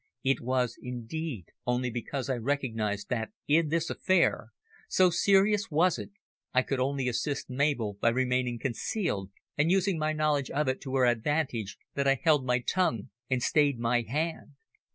It was, indeed, only because I recognised that in this affair, so serious was it, I could only assist Mabel by remaining concealed and using my knowledge of it to her advantage that I held my tongue and stayed my hand.